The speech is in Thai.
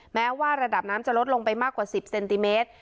แม้ว่าระดับน้ำจะลดลงไปมากกว่า๑๐เซนติเมตร